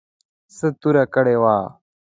څه توره کړې وه.